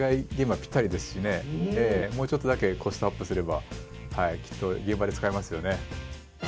もうちょっとだけコストアップすればきっと現場で使えますよね。